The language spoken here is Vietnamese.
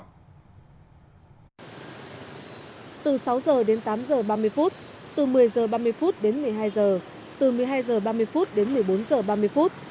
từ sáu h đến tám h ba mươi phút từ một mươi giờ ba mươi phút đến một mươi hai giờ từ một mươi hai h ba mươi phút đến một mươi bốn giờ ba mươi phút